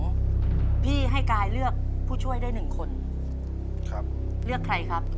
พี่ให้กายเลือกผู้ช่วยได้หนึ่งคนครับเลือกใครครับ